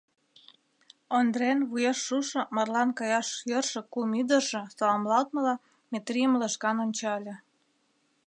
Ондрен вуеш шушо, марлан каяш йӧршӧ кум ӱдыржӧ, саламлалтмыла, Метрийым лыжган ончале.